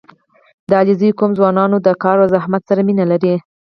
• د علیزي قوم ځوانان د کار او زحمت سره مینه لري.